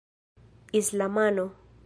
islamano